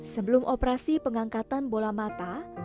sebelum operasi pengangkatan bola mata